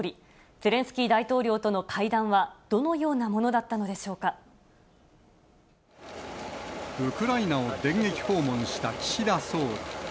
ゼレンスキー大統領との会談は、どのようなものだったのでしょうウクライナを電撃訪問した岸田総理。